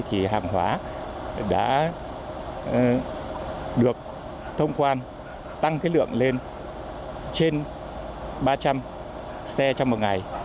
hàng hóa đã được thông quan tăng cái lượng lên trên ba trăm linh xe trong một ngày